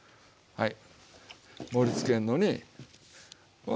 はい。